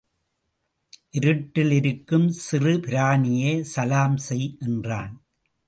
இருட்டில் இருக்கும் சிறு பிராணியே சலாம் செய்! என்றான்.